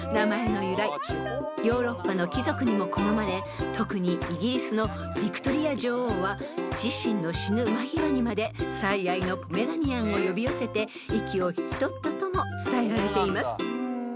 ［ヨーロッパの貴族にも好まれ特にイギリスのヴィクトリア女王は自身の死ぬ間際にまで最愛のポメラニアンを呼び寄せて息を引き取ったとも伝えられています］